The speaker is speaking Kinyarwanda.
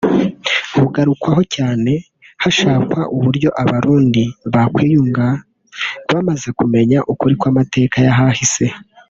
bugarukwaho cyane hashakwa uburyo Abarundi bakwiyunga bamaze kumenya ukuri kw’amateka y’ahahise